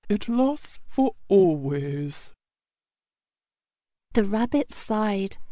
It lasts for always." The Rabbit sighed.